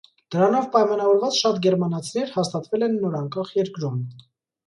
Դրանով պայմանավորված շատ գերմանացիներ հաստատվել են նորանկախ երկրում։